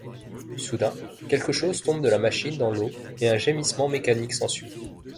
Soudain, quelque chose tombe de la machine dans l'eau et un gémissement mécanique s'ensuit.